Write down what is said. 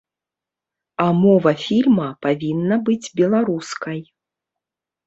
А мова фільма павінна быць беларускай.